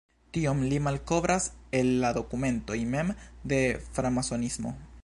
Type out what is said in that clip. Tion li malkovras el la dokumentoj mem de framasonismo.